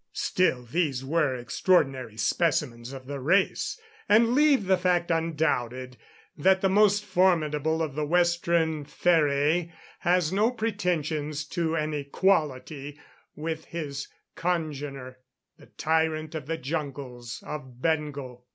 Still these were extraordinary specimens of the race, and leave the fact undoubted, that the most formidable of the western Feræ has no pretensions to an equality with his congener, the tyrant of the jungles of Bengal.